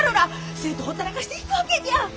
生徒ほったらかして行く訳にゃあ。